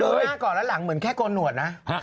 หน้าก่อนแล้วหลังเหมือนแค่โกนหนวดนะ